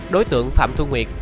đối tượng phạm thu nguyệt